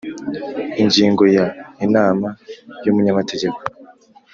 Ingingo ya Inama y umunyamategeko